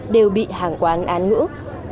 đều bị hàng quán án ngữ